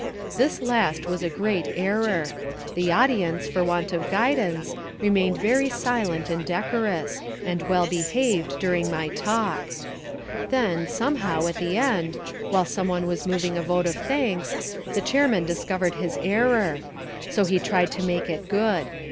This last was a great error. The audience, for want of guidance, remained very silent and decorous, and well behaved during my talk. Then, somehow, at the end, while some one was moving a vote of thanks, the chairman discovered his error. So he tried to make it good.